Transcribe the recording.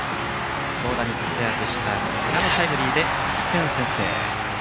投打に活躍した寿賀のタイムリーで１点先制。